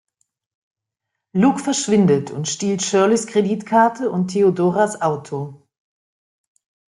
Luke verschwindet und stiehlt Shirleys Kreditkarte und Theodoras Auto.